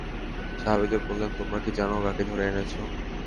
সাহাবীদের বললেন-তোমরা কি জান কাকে ধরে এনেছো?